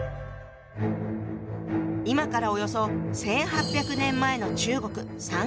今からおよそ１，８００年前の中国三国時代。